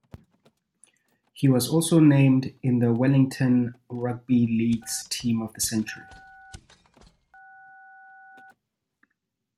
He was also named in the Wellington Rugby League's Team of the Century.